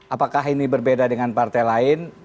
apakah ini berbeda dengan partai lain